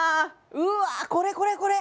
うわこれこれこれ！